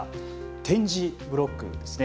点字ブロックですね。